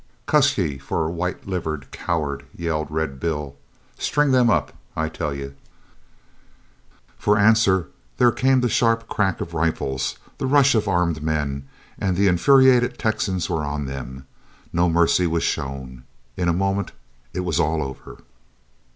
"Cuss ye fo' a white livered coward!" yelled Red Bill. "String them up, I tell ye!" For answer there came the sharp crack of rifles, the rush of armed men, and the infuriated Texans were on them. No mercy was shown; in a moment it was all over.